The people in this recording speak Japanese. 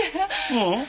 ううん。